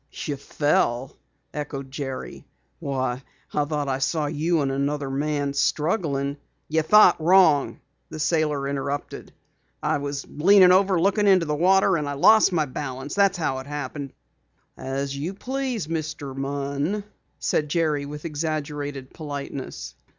"You fell?" echoed Jerry. "Why, I thought I saw you and another man struggling " "You thought wrong," the sailor interrupted. "I was leaning over, lookin' into the water an' I lost my balance. That was how it happened." "As you please, Mr. Munn," said Jerry with exaggerated politeness.